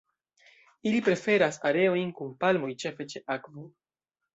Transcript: Ili preferas areojn kun palmoj, ĉefe ĉe akvo.